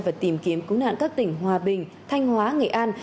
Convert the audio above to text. và tìm kiếm cứu nạn các tỉnh hòa bình thanh hóa nghệ an